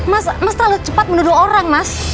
mas mas terlalu cepat menuduh orang mas